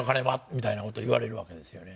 みたいな事言われるわけですよね。